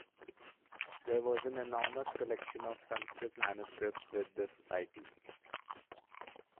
There was an enomous collection of Sanskrit manuscripts with the society.